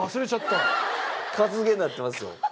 「かずげ」になってますよ。